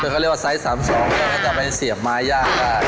คือเขาเรียกว่าไซส์๓๒เนี่ยมันจะไปเสียบไม้ยากละ